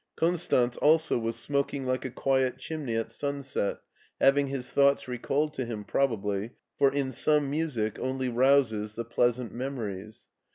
Kon stanz also was smoking like a quiet chimney at sunset, having his thoughts recalled to him probably, for in some music only rouses the pleasant memories.